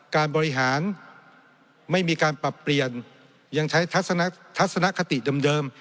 การบริหารไม่มีการปรับเปลี่ยนยังใช้ทัศนคติเดิม